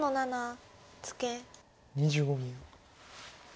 ２５秒。